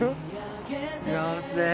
幸せ！